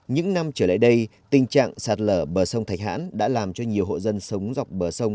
những năm trở lại đây tình trạng sạt lở bờ sông thạch hãn đã làm cho nhiều hộ dân sống dọc bờ sông